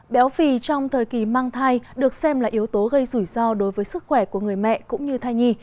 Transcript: béo phì trong thời kỳ mang thai được xem là yếu tố gây rủi ro đối với sức khỏe của người mẹ cũng như thai nhi